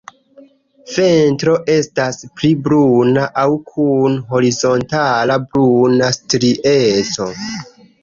Ventro estas pli bruna aŭ kun horizontala bruna strieco.